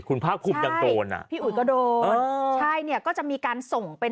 คุณพมุฒิศปลอดภัยพี่อุ๋ก็โดดใช่เนี้ยก็จะมีการส่งเป็น